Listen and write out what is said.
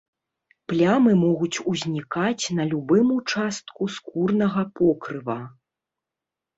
Плямы могуць узнікаць на любым участку скурнага покрыва.